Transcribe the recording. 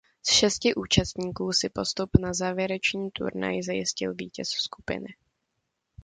Z šesti účastníků si postup na závěrečný turnaj zajistil vítěz skupiny.